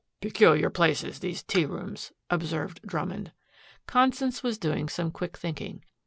"Peculiar places, these tea rooms," observed Drummond. Constance was doing some quick thinking.